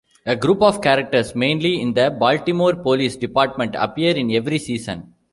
A group of characters, mainly in the Baltimore Police Department, appear in every season.